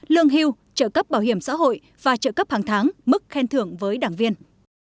lương hưu trợ cấp bảo hiểm xã hội và trợ cấp hàng tháng mức khen thưởng với đảng viên